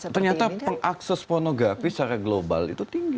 jadi ternyata akses pornografi secara global itu tinggi